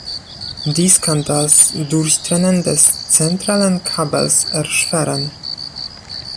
Dies kann das Durchtrennen des zentralen Kabels erschweren.